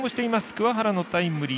桑原のタイムリー。